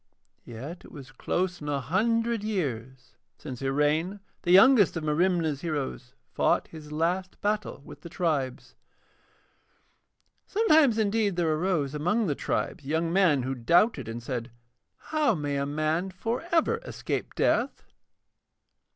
Yet it was close on a hundred years since Iraine, the youngest of Merimna's heroes, fought his last battle with the tribes. Sometimes indeed there arose among the tribes young men who doubted and said: 'How may a man for ever escape death?'